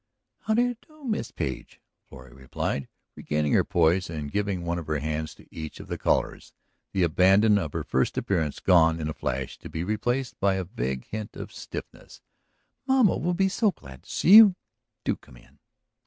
"How do you do, Miss Page?" Florrie replied, regaining her poise and giving one of her hands to each of the callers, the abandon of her first appearance gone in a flash to be replaced by a vague hint of stiffness. "Mama will be so glad to see you. Do come in."